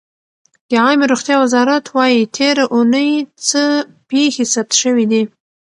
د عامې روغتیا وزارت وایي تېره اوونۍ څه پېښې ثبت شوې دي.